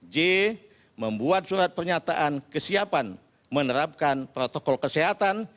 j membuat surat pernyataan kesiapan menerapkan protokol kesehatan